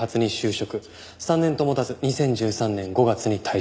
３年と持たず２０１３年５月に退社。